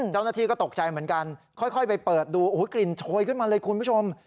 เจ้าหน้าที่ก็ตกใจเหมือนกันค่อยไปเปิดดูโอ้โหกลิ่นโชยขึ้นมาเลยคุณผู้ชม